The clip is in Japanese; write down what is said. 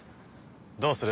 どうする？